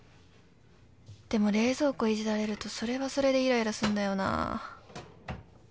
でも冷蔵庫いじられるとそれはそれでイライラすんだよな